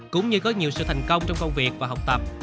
cũng như có nhiều sự thành công trong công việc và học tập